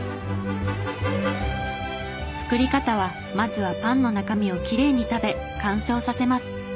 作り方はまずはパンの中身をきれいに食べ乾燥させます。